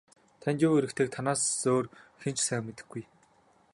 Танд юу хэрэгтэйг танаас өөр хэн ч сайн мэдэхгүй.